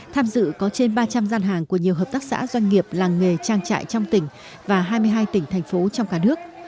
tham dự có trên ba trăm linh gian hàng của nhiều hợp tác xã doanh nghiệp làng nghề trang trại trong tỉnh và hai mươi hai tỉnh thành phố trong cả nước